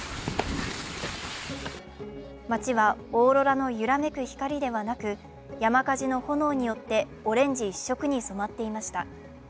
街はオーロラの揺らめく光ではなく、山火事の炎によってオレンジ一色に染まっていました。